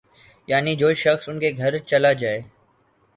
یعنی جو شخص ان کے گھر چلا جائے